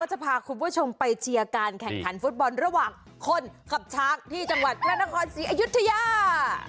จะพาคุณผู้ชมไปเชียร์การแข่งขันฟุตบอลระหว่างคนขับช้างที่จังหวัดพระนครศรีอยุธยา